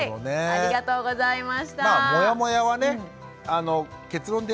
ありがとうございます！